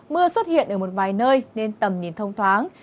mưa xuất hiện ở một vài nơi nên tầm nhìn thông thoáng